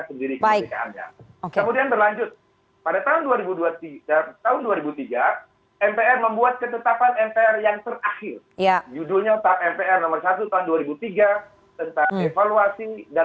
kemarin pak jokowi menyampaikan si jaso dalam rangka hari pahlawan